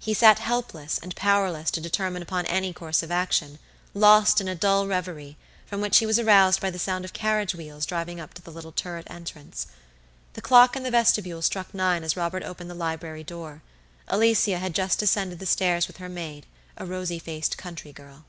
He sat helpless and powerless to determine upon any course of action, lost in a dull revery, from which he was aroused by the sound of carriage wheels driving up to the little turret entrance. The clock in the vestibule struck nine as Robert opened the library door. Alicia had just descended the stairs with her maid; a rosy faced country girl.